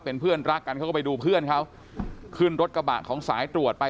เป็นเพื่อนรักกันเขาก็ไปดูเพื่อนเขาขึ้นรถกระบะของสายตรวจไป